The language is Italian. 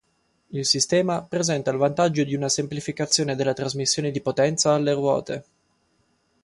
Il sistema presenta il vantaggio di una semplificazione della trasmissione di potenza alle ruote.